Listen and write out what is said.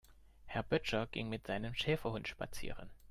Herr Böttcher ging mit seinem Schäferhund spazieren.